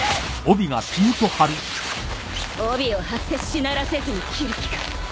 帯を張ってしならせずに斬る気か